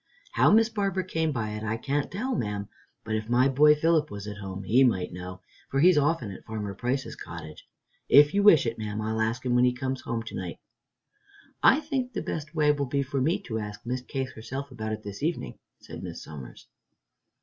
How Miss Barbara came by it, I can't tell, ma'am, but if my boy Philip was at home, he might know, for he's often at Farmer Price's cottage. If you wish it, ma'am, I'll ask him when he comes home to night." "I think the best way will be for me to ask Miss Case herself about it this evening," said Miss Somers.